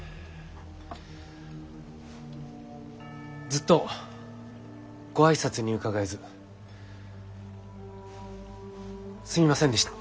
ずっとご挨拶に伺えずすみませんでした。